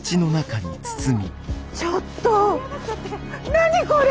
何これ！？